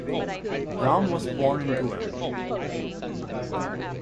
Brown was born in Guam.